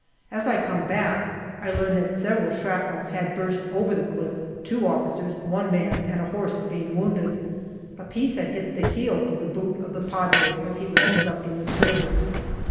As I come back I learn that several shrapnel had burst over the cliff, two officers, one man, and a horse being wounded. A piece had hit the heel of the boot of the Padre as he was conducting the service.